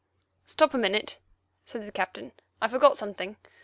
"Stop a minute," said the Captain; "I forgot something.